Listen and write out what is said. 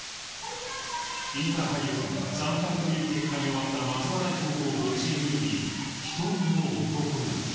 インターハイ予選惨敗という結果に終わった松葉台高校ボクシング部に一人の男が